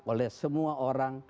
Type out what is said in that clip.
oleh semua orang